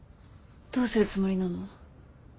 どうするつもりなの？